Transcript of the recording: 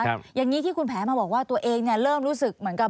อย่างนี้ที่คุณแผลมาบอกว่าตัวเองเนี่ยเริ่มรู้สึกเหมือนกับ